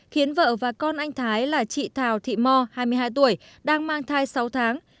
khiến vợ và con anh thái là chị thảo thị mo hai mươi hai tuổi đang mang thai sáu tháng